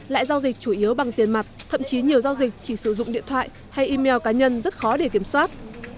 lại giao dịch chủ yếu bằng tiền mặt thậm chí nhiều giao dịch chỉ sử dụng điện thoại hay email cá nhân rất khó để kiểm soát